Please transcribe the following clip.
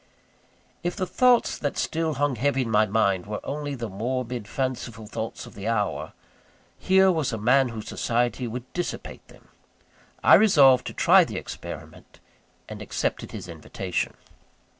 If the thoughts that still hung heavy on my mind were only the morbid, fanciful thoughts of the hour, here was a man whose society would dissipate them. I resolved to try the experiment, and accepted his invitation.